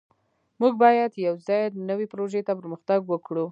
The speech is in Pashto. موږ باید یوځای نوې پروژې ته پرمختګ وکړو.